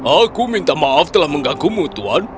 aku minta maaf telah mengganggu mu tuan